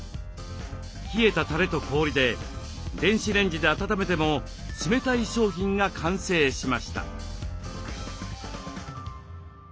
冷えたたれと氷で電子レンジで温めても冷たい商品が完成しました。